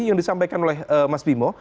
yang disampaikan oleh mas bimo